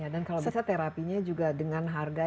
dan kalau bisa terapinya juga dengan harga